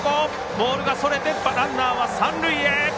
ボールがそれてランナーは三塁へ。